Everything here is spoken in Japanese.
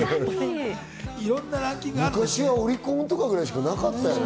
昔はオリコンとかぐらいしかなかったよね。